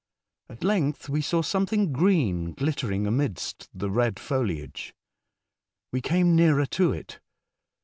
At length we saw something green glittering amidst the red foliage. We came nearer to it.